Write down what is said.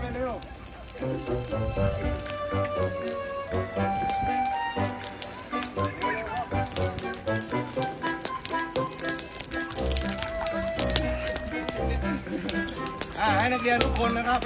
ให้นักเรียนทุกคนนะครับ